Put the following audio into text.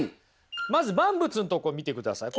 まず「万物」のとこ見てください。